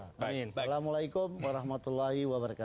assalamu'alaikum warahmatullahi wabarakatuh